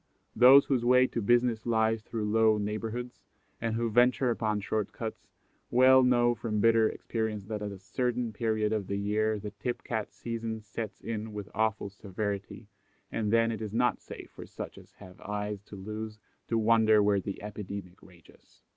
Those whose way to business lies through low neighbourhoods, and who venture upon short cuts, well know from bitter experience that at a certain period of the year the tip cat season sets in with awful severity, and then it is not safe for such as have eyes to lose, to wander where the epidemic rages. [Illustration: TIP CAT. _Page 8.